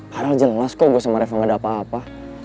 padahal jelas kok gue sama reva gak ada apa apa